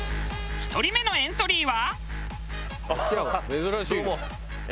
２人目のエントリーは。